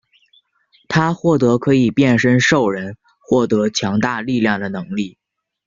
他获得可以变身兽人获得强大力量的能力。